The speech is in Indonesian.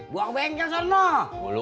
buang bengkel sana